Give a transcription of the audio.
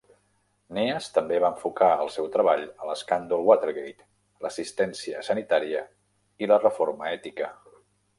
Neas també va enfocar el seu treball en l'escàndol Watergate, l'assistència sanitària i la reforma ètica.